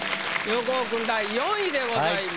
横尾君第４位でございました。